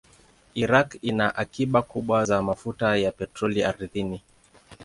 Iraq ina akiba kubwa za mafuta ya petroli ardhini.